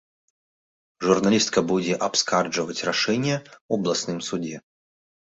Журналістка будзе абскарджваць рашэнне ў абласным судзе.